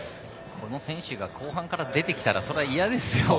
この選手が後半から出てきたらそれは嫌ですよ。